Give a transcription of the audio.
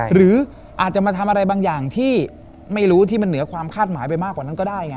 หรืออาจจะมาทำอะไรบางอย่างที่ไม่รู้ที่มันเหนือความคาดหมายไปมากกว่านั้นก็ได้ไง